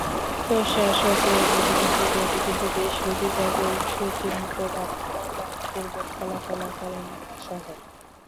প্রশাসকের আবেদন প্রক্রিয়াটি কিন্তু বেশ গভীরভাবে ও সুচিন্তিতভাবে মূল্যায়ণপূর্বক ফলাফল আকারে নিয়ে আসা হয়।